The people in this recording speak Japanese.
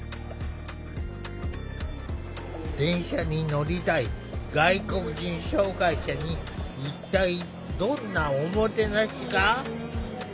電車に乗りたい外国人障害者に一体どんな“おもてなし”が？